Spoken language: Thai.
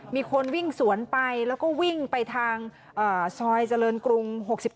มีคนวิ่งสวนไปแล้วก็วิ่งไปทางซอยเจริญกรุง๖๑